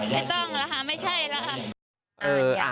ไม่ต้องละค่ะไม่ใช่ละค่ะ